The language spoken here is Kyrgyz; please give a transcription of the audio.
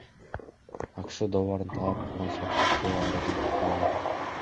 АКШ долларын талап кылган соттук доо арызын чакырып алды.